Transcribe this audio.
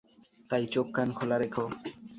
তাই চোখ কান খোলা রেখো।